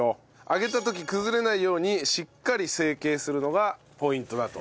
揚げた時崩れないようにしっかり成形するのがポイントだと。